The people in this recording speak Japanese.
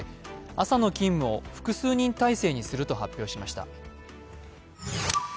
朝の勤務を複数人体制にすると発表しました。